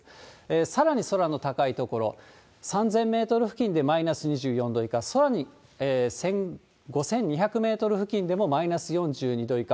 さらに空の高い所、３０００メートル付近でマイナス２４度以下、さらに５２００メートル付近でもマイナス４２度以下。